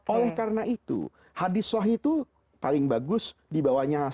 oleh karena itu hadis sohih itu paling bagus di bawahnya hasan